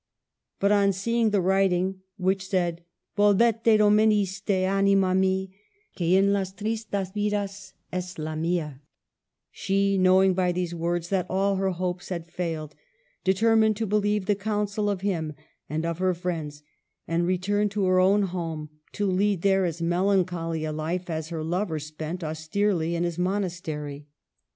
But on seeing the writing, which said, " Volvete don venisti, anima mi, que en las tristas vidas es la mia," she, knowing by these words that all her hopes had failed, determined to believe the counsel of him and of her friends, and returned to her own home, to' lead there as melancholy a life as her lover spent austerely in his monastery.